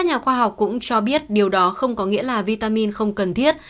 các nhà nghiên cứu cũng cho biết điều đó không có nghĩa là vitamin không cần thiết